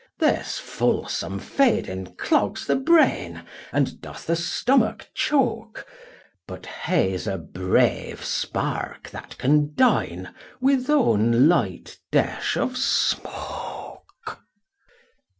This fulsome feeding cloggs the brain And doth the stomach choak. But he's a brave spark that can dine With one light dish of smoak.